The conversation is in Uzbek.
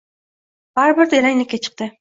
Bu bir yalanglikka chiqdi.